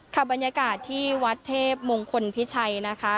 บรรยากาศที่วัดเทพมงคลพิชัยนะคะ